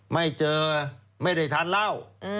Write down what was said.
ไม่เจอไม่ได้ทานเหล้า